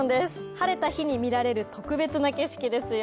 晴れた日に見られる特別な景色ですよ。